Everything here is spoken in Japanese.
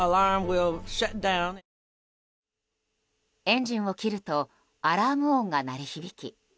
エンジンを切るとアラーム音が鳴り響き